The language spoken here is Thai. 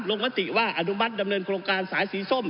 มติว่าอนุมัติดำเนินโครงการสายสีส้ม